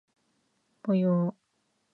ぽよー